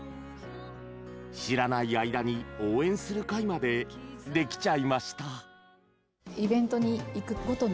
知らない間に応援する会までできちゃいました。